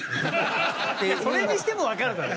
それにしてもわかるだろ！